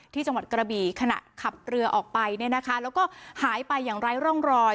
จังหวัดกระบี่ขณะขับเรือออกไปเนี่ยนะคะแล้วก็หายไปอย่างไร้ร่องรอย